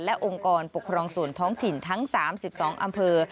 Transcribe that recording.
และองค์กรปกครองส่วนท้องถิ่นทั้ง๓๒อำเภอ